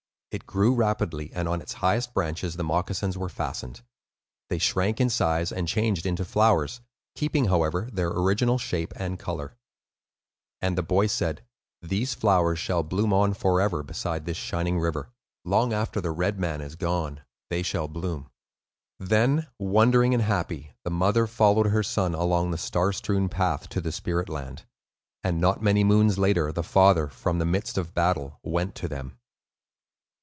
It grew rapidly, and on its highest branches the moccasins were fastened. They shrank in size, and changed into flowers, keeping, however, their original shape and color. And the boy said, "These flowers shall bloom on forever beside this shining river; long after the red man is gone, they shall bloom." Then, wondering and happy, the mother followed her son along the star strewn path to the spirit land; and not many moons later, the father, from the midst of battle, went to them.